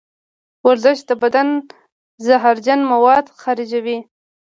ورزش د بدن زهرجن مواد خارجوي.